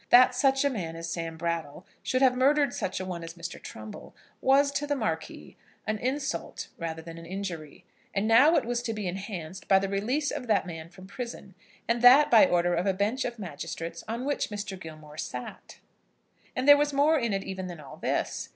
That such a man as Sam Brattle should have murdered such a one as Mr. Trumbull, was to the Marquis an insult rather than an injury; and now it was to be enhanced by the release of the man from prison, and that by order of a bench of magistrates on which Mr. Gilmore sat! And there was more in it even than all this.